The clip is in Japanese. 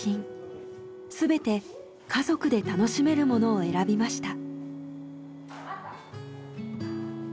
全て家族で楽しめるものを選びました。